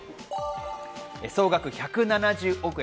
総額１７０億円。